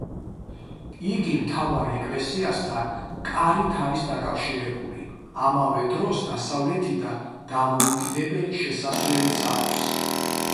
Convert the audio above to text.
იგი მთავარ ეკლესიასთან კარით არის დაკავშირებული, ამავე დროს დასავლეთიდან დამოუკიდებელი შესასვლელიც აქვს.